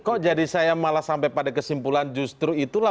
kok jadi saya malah sampai pada kesimpulan justru itulah